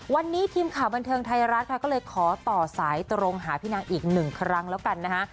วันนี้ทีมข่าวบันเทิงไทยรัฐค่ะก็เลยขอต่อสายตรงหาพี่นางอีกหนึ่งครั้งแล้วกันนะฮะ